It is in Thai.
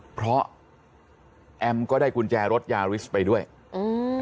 เพราะแอมก็ได้กุญแจรถยาริสไปด้วยอืม